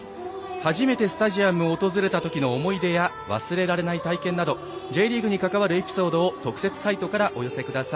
初めてスタジアムを訪れた時の思い出や、忘れられない体験などＪリーグに関わるエピソードを特設サイトからお寄せください。